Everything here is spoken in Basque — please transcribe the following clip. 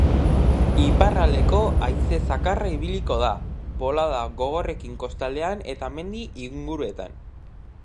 Iparraldeko haize zakarra ibiliko da, bolada gogorrekin kostaldean eta mendi inguruetan.